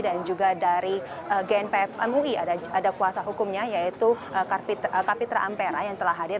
dan juga dari gnpf mui ada kuasa hukumnya yaitu kapitra ampera yang telah hadir